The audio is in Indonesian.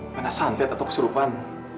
mana santet atau keserupan